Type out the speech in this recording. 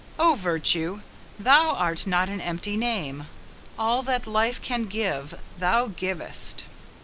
Oh! virtue, thou art not an empty name! All that life can give thou givest!